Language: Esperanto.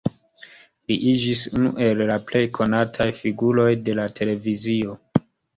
Li iĝis unu el la plej konataj figuroj de la televizio.